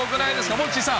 モッチーさん。